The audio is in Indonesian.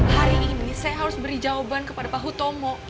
hari ini saya harus beri jawaban kepada pahu tomo